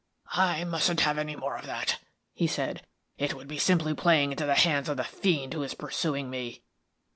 "I mustn't have any more of that," he said. "It would be simply playing into the hands of the fiend who is pursuing me."